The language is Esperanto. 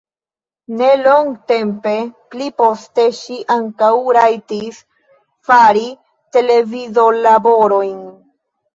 Ne longtempe pliposte ŝi ankaŭ rajtis fari televidolaborojn.